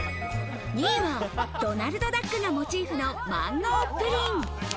ドナルドダックがモチーフのマンゴープリン。